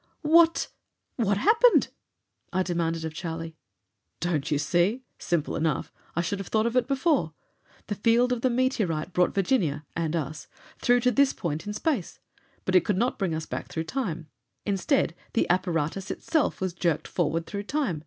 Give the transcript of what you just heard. "What what happened?" I demanded of Charlie. "Don't you see? Simple enough. I should have thought of it before. The field of the meteorite brought Virginia and us through to this point in space. But it could not bring us back through time; instead, the apparatus itself was jerked forward through time.